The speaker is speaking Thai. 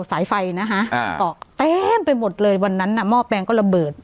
สายไฟนะฮะอ่าเป้อไปหมดเลยอ่าวันนั้นน่ะหม้อแปงก็ระบืช